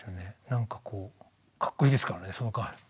なんかこうかっこいいですからねそのかわり。